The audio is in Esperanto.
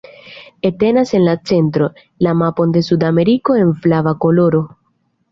Entenas en la centro, la mapon de Sudameriko en flava koloro.